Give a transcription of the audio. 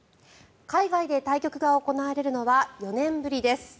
海外で対局が行われるのは４年ぶりです。